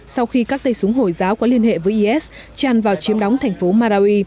sau khi các tay súng hồi giáo có liên hệ với is tràn vào chiếm đóng thành phố marawi